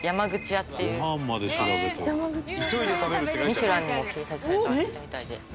『ミシュラン』にも掲載されたお店みたいで。